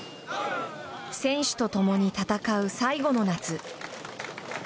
選手と共に戦う最後の夏。